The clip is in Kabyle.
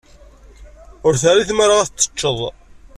Ur terri tmara ad t-tecceḍ.